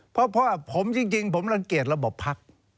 เพราะว่าผมจริงผมรังเกียจระบบพัก